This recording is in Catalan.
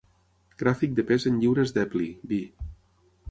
Gràfic de pes en lliures d'Epley, B.